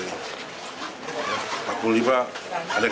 tidak bisa dilakukan paw